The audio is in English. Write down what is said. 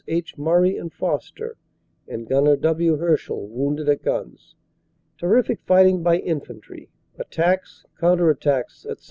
H. Murray and Foster and Gnr. W. Hershall wounded at guns. Terrific fight ing by Infantry; attacks, counter attacks, etc.